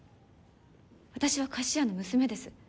私は菓子屋の娘です。